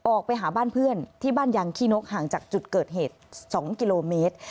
ออกไปหาบ้านเพื่อนที่บ้านยางขี้นกห่างจากจุดเกิดเหตุ๒กิโลเมตร